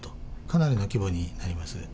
かなりの規模になります。